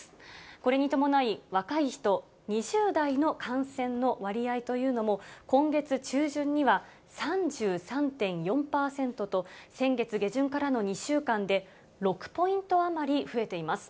これに伴い、若い人、２０代の感染の割合というのも、今月中旬には３３．４％と、先月下旬からの２週間で６ポイント余り増えています。